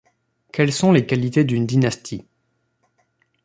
Quelles sont les qualités d’une dynastie?